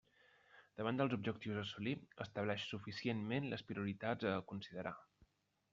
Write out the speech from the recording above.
Davant dels objectius a assolir, estableix suficientment les prioritats a considerar.